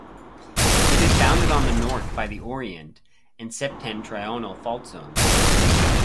It is bounded on the north by the Oriente and Septentrional fault zones.